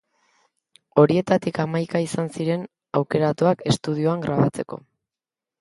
Horietatik hamaika izan ziren aukeratuak estudioan grabatzeko.